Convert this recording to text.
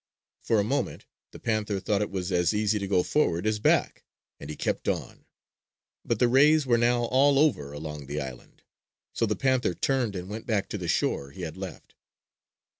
For a moment, the panther thought it was as easy to go forward as back, and he kept on. But the rays were now all over along the island; so the panther turned and went back to the shore he had left.